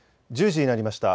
１０時になりました。